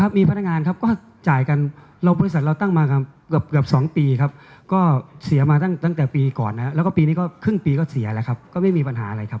มีพนักงานครับก็จ่ายกันบริษัทเราตั้งมาเกือบ๒ปีครับก็เสียมาตั้งแต่ปีก่อนนะครับแล้วก็ปีนี้ก็ครึ่งปีก็เสียแล้วครับก็ไม่มีปัญหาอะไรครับ